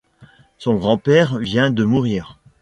Son grand-père vient de mourir.